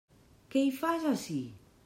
Què hi fas, ací?